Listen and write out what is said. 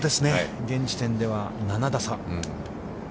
現時点では７打差。